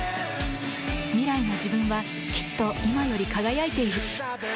未来の自分はきっと今より輝いている。